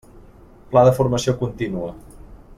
Pla de formació contínua.